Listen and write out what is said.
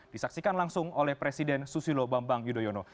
disaksikan langsung oleh presiden susilo bambang yudhoyono